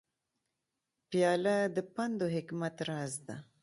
پیاله د پند و حکمت راز ده.